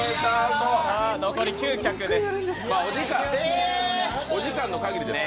残り９脚です。